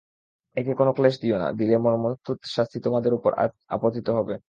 একে কোন ক্লেশ দিও না, দিলে মর্মন্তুদ শাস্তি তোমাদের উপর আপতিত হবে।